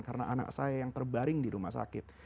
karena anak saya yang terbaring di rumah sakit